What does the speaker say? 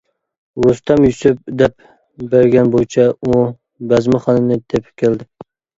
رۇستەم، يۈسۈپ دەپ بەرگەن بويىچە، ئۇ بەزمىخانىنى تېپىپ كەلدى.